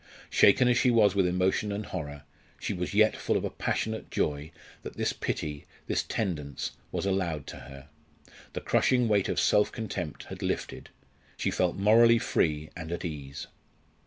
Shaken as she was with emotion and horror, she was yet full of a passionate joy that this pity, this tendance was allowed to her. The crushing weight of self contempt had lifted. She felt morally free and at ease.